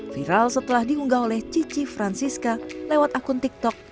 viral setelah diunggah oleh cici francisca lewat akun tiktok